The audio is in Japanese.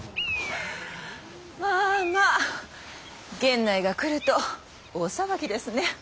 まあまあ源内が来ると大騒ぎですね。